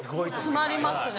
詰まりますね